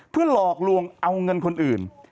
เพื่อหลอกลวงเอาเงินคนอื่น